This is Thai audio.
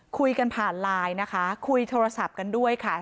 คุยกันผ่านไลน์นะคะคุยโทรศัพท์กันด้วยค่ะ